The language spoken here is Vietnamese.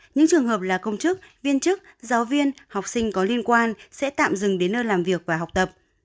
những trường hợp là công chức viên chức giáo viên học sinh có liên quan sẽ tạm dừng đến nơi làm việc và học tập